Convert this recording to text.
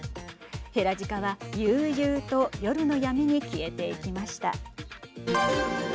ヘラジカは悠々と夜の闇に消えていきました。